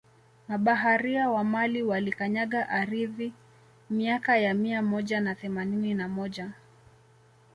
Mabaharia wa Mali walikanyaga aridhi miaka ya Mia moja na themanini na moja